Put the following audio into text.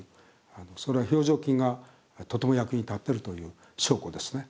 それは表情筋がとても役に立ってるという証拠ですね。